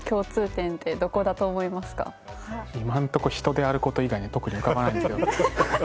今のとこ人である事以外に特に浮かばないんですけど。